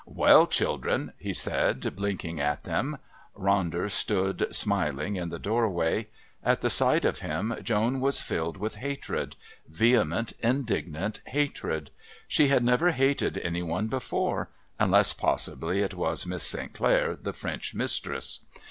"Well, children," he said, blinking at them. Ronder stood, smiling, in the doorway. At the sight of him Joan was filled with hatred vehement, indignant hatred; she had never hated any one before, unless possibly it was Miss St. Clair, the French mistress.